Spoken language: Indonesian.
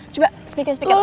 coba speak nya speak nya